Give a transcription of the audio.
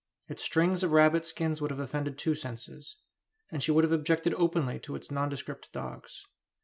Its strings of rabbit skins would have offended two senses, and she would have objected openly to its nondescript dogs.